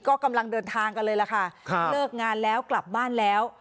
ก็กำลังเดินทางกันเลยล่ะค่ะเลิกงานแล้วกลับบ้านแล้ว